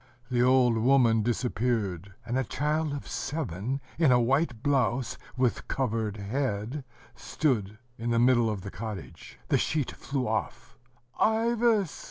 The old woman disappeared; and a child of seven in a white blouse, with covered head, stood in the middle of the cottage. ... The sheet flew off. "Ivas!"